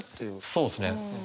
そうですね。